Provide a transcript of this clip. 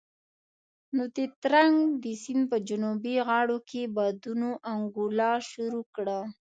نو د ترنک د سيند په جنوبي غاړو کې بادونو انګولا شروع کړه.